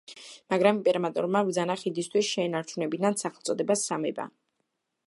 მაგრამ იმპერატორმა ბრძანა ხიდისთვის შეენარჩუნებინათ სახელწოდება სამება.